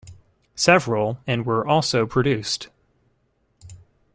Several and were also produced.